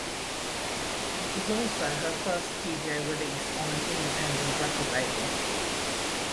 It was also her first studio release on an independent record label.